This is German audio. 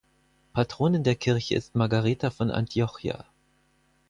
Patronin der Kirche ist Margareta von Antiochia.